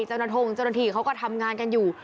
จรดงเจรถีเขาก็ทำงานกันอยู่